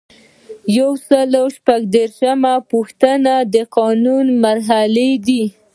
یو سل او شپږ دیرشمه پوښتنه د قانون مرحلې دي.